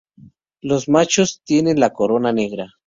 Los machos tienen la corona negra.